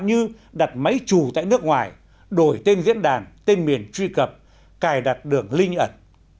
như đặt máy trù tại nước ngoài đổi tên diễn đàn tên miền truy cập cài đặt đường linh ẩn